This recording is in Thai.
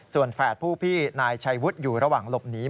ส่วนแฝดผู้พี่นายชัยวุฒิอยู่ระหว่างหลบหนี